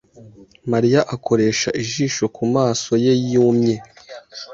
Mariya akoresha ijisho kumaso ye yumye.